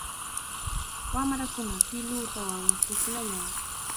Wamrakuna pilutawanmi pukllayan.